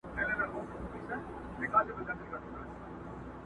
اووم دوږخ دي ځای د کرونا سي.!.!